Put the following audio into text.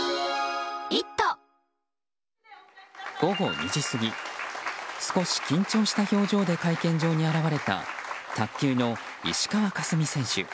午後２時過ぎ少し緊張した表情で会見場に現れた卓球の石川佳純選手。